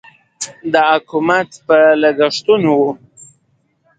د حکومت په لګښتونو و.